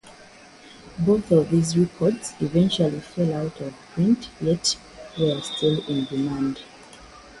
Both of these records eventually fell out of print, yet were still in demand.